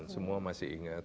semua masih ingat